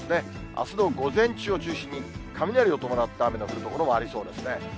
あすの午前中を中心に、雷を伴った雨の降る所もありそうですね。